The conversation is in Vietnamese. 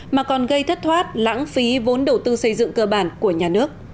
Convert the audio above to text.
mà còn gây thất thoát lãng phí vốn đầu tư xây dựng cơ bản của nhà nước